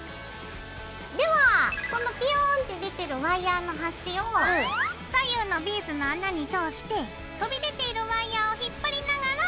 ではそのビューンって出てるワイヤーの端を左右のビーズの穴に通して飛び出ているワイヤーを引っ張りながら。